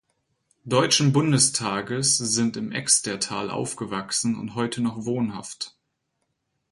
Deutschen Bundestages, sind im Extertal aufgewachsen und heute noch wohnhaft.